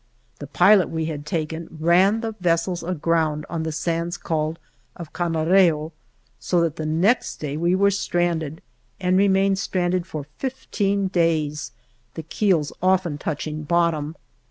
The pilot we had taken ran the vessels aground on the sands called "of Canarreo," so that the next day we were stranded and remained strand ed for fifteen days, the keels often touching bottom.